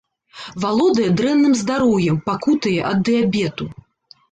Валодае дрэнным здароўем, пакутуе ад дыябету.